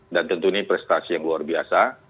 dan tentu ini prestasi yang luar biasa